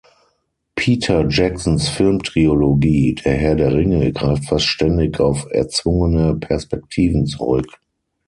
Peter Jacksons Film-Trilogie "„Der Herr der Ringe“" greift fast ständig auf erzwungene Perspektiven zurück.